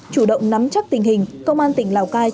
chủ động nắm chắc tình hình công an tỉnh lào cai